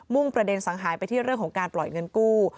่งประเด็นสังหายไปที่เรื่องของการปล่อยเงินกู้